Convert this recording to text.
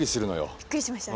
びっくりしましたね